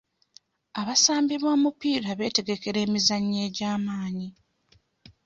Abasambi b'omupiira beetegekera emizannyo egy'amaanyi.